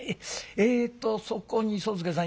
えっとそこに宗助さん